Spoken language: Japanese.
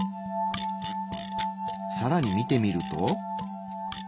さらに見てみると。